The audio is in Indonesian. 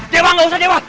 dewa gak usah dewa